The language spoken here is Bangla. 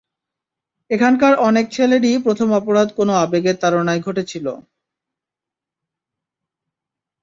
এখানকার অনেক ছেলেরই প্রথম অপরাধ কোনো আবেগের তাড়নায় ঘটেছিল।